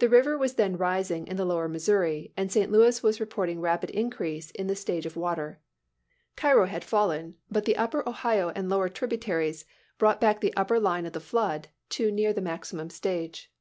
The river was then rising in the lower Missouri, and St. Louis was reporting rapid increase in the stage of water. Cairo had fallen, but the upper Ohio and lower tributaries brought back the upper line of the flood to near the maximum stage.